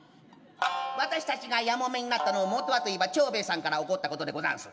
私たちがやもめになったのももとはといえば長兵衛さんから起こったことでござんす！